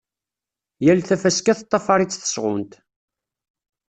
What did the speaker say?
Yal tafaska teṭṭafar-itt tesɣunt.